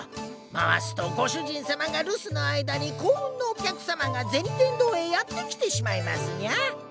回すとご主人様が留守の間に幸運のお客様が銭天堂へやって来てしまいますニャ。